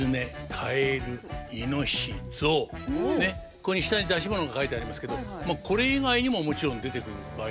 ここに下に出し物が書いてありますけどこれ以外にももちろん出てくる場合があるんですよ。